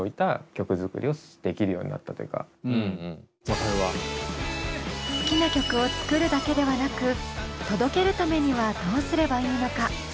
そっから割と好きな曲を作るだけではなく届けるためにはどうすればいいのか？